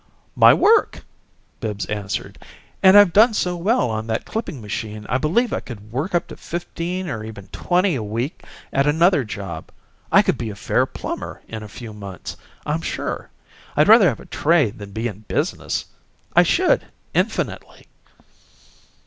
"My work!" Bibbs answered. "And I've done so well on that clipping machine I believe I could work up to fifteen or even twenty a week at another job. I could be a fair plumber in a few months, I'm sure. I'd rather have a trade than be in business I should, infinitely!"